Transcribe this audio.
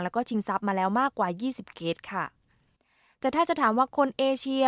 แล้วก็ชิงทรัพย์มาแล้วมากกว่ายี่สิบเคสค่ะแต่ถ้าจะถามว่าคนเอเชีย